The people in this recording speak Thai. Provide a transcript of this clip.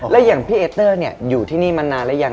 แล้วอย่างพี่เอเตอร์อยู่ที่นี่มานานหรือยัง